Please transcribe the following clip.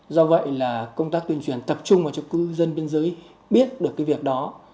do vậy là công tác tuyên truyền tập trung vào cho cư dân biên giới biết được cái việc đó